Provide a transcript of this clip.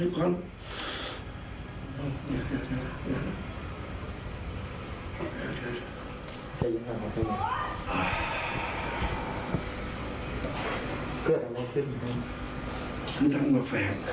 จะหยุดข้างหลังพี่